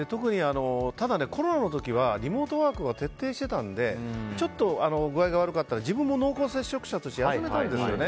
ただコロナの時はリモートワークが徹底してたのでちょっと具合が悪かったら自分も濃厚接触者として休めたんですよね。